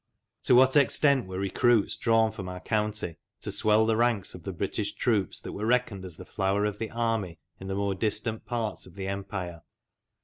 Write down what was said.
To what extent were recruits drawn from our county to swell the ranks of the British troops that were reckoned as the flower of the army in the more distant parts of the Empire?